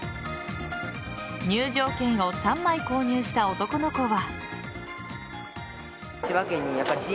入場券を３枚購入した男の子は。